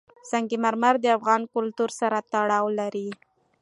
سنگ مرمر د افغان کلتور سره تړاو لري.